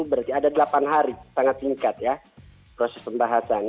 berarti ada delapan hari sangat singkat ya proses pembahasan